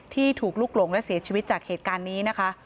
ที่ถูกลุกหลงและเสียชีวิตจากเหตุการณ์นี้นะคะ